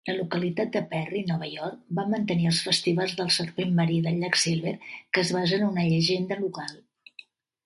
La localitat de Perry, Nova York, va mantenir els Festivals del Serpent Marí del llac Silver, que es basen en una llegenda local.